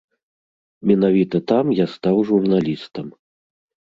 Менавіта там я стаў журналістам.